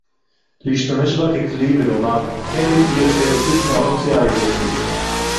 להשתמש בה ככלי ולומר: אין לי כלי אחר חוץ מהאופציה האזרחית